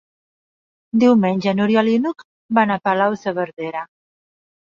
Diumenge n'Oriol i n'Hug van a Palau-saverdera.